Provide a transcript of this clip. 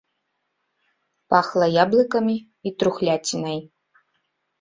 Пахла яблыкамі і трухляцінай.